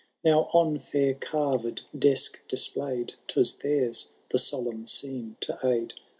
159 Now on fair carved desk displayM, Twas theirs the solemn scene to aid.